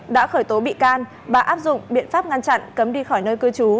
đã khởi tố bị can và áp dụng biện pháp ngăn chặn cấm đi khỏi nơi cư trú